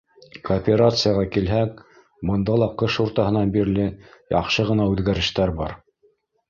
Кооперацияға килһәк, бында ла ҡыш уртаһынан бирле яҡшы ғына үҙгәрештәр бар.